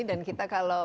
dan kita kalau